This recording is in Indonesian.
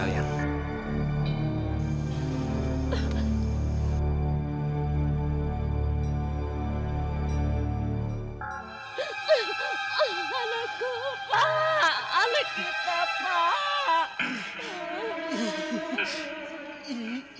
anakku pak anak kita pak